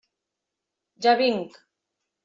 Ja vinc!